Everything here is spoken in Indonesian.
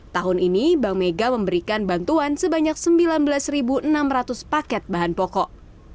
tahun ini bank mega memberikan bantuan sebanyak sembilan belas enam ratus paket bahan pokok